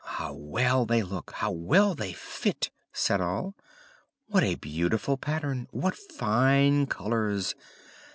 "How well they look! How well they fit!" said all. "What a beautiful pattern! What fine colours!